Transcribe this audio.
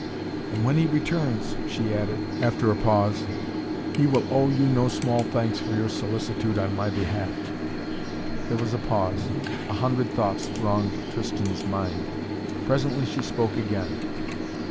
"And when he returns," she added, after a pause, "he will owe you no small thanks for your solicitude on my behalf." There was a pause. A hundred thoughts thronged Tristan's mind. Presently she spoke again.